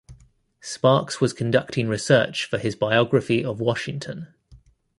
Sparks was conducting research for his biography of Washington.